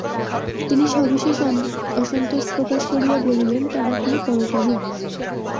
তিনি সবিশেষ অসন্তোষ প্রকাশ করিয়া বলিলেন, টানাটানি কর কেন?